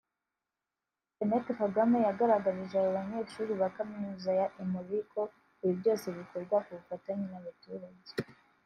Jeannette Kagame yagaragarije aba banyeshuri ba Kaminuza ya Emory ko ibi byose bikorwa ku bufatanye n’abaturage